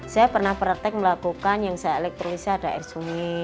saya pernah praktek melakukan yang saya elektrolisih ada air sunyi